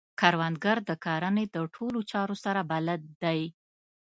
کروندګر د کرنې د ټولو چارو سره بلد دی